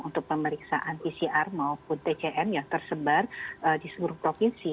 untuk pemeriksaan pcr maupun tcm yang tersebar di seluruh provinsi